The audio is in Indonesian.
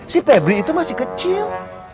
si pebri itu masih kecil